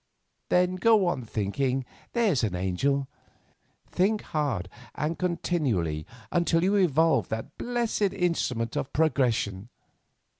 "Then go on thinking, there's an angel; think hard and continually until you evolve that blessed instrument of progression.